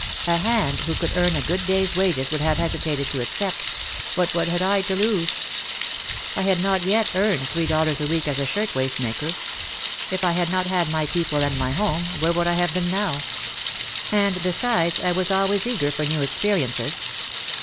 A "hand" who could earn a good day's wages would have hesitated to accept. But what had I to lose ? I had not yet earned three dollars a week as a shirt waist maker. If I had not had my people and my home, where would I have been now? And besides, I was always eager for new experiences.